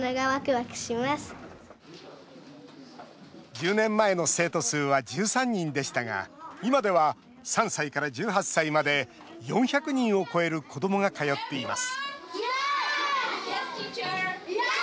１０年前の生徒数は１３人でしたが今では３歳から１８歳まで４００人を超える子どもが通っています